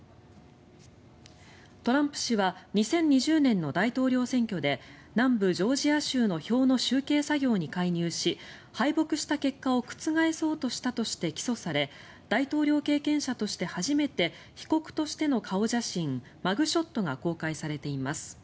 トランプ氏は２０２０年の大統領選挙で南部ジョージア州の票の集計作業に介入し敗北した結果を覆そうとしたとして起訴され大統領経験者として初めて被告としての顔写真マグショットが公開されています。